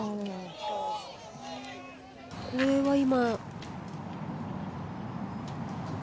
これは今。